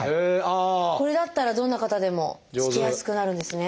これだったらどんな方でも着けやすくなるんですね。